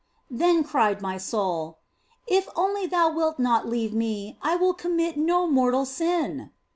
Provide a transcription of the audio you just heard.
Then cried my soul, " If only Thou wilt not leave me, I will commit no mortal sin